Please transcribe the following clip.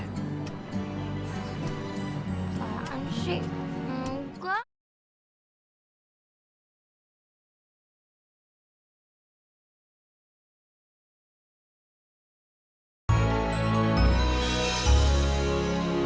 gak asik juga